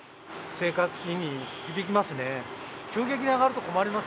生活に響きますね。